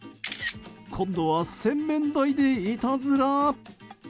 今度は洗面台でいたずら。